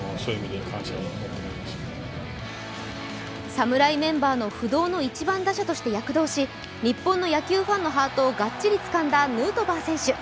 侍メンバーの不動の１番打者として躍動し日本の野球ファンのハートをがっちりつかんだヌートバー選手。